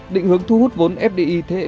định hướng thu hút vốn fdi thế hệ